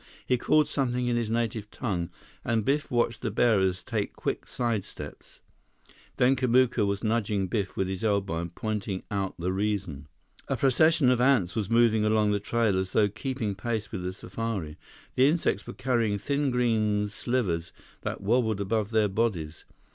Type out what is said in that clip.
He called something in his native tongue, and Biff watched the bearers take quick sidesteps. Then Kamuka was nudging Biff with his elbow and pointing out the reason. A procession of ants was moving along the trail as though keeping pace with the safari. The insects were carrying thin green slivers that wobbled above their bodies.